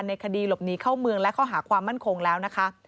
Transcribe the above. คดีหลบหนีเข้าเมืองและข้อหาความมั่นคงแล้วนะคะ